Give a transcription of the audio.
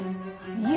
いえ。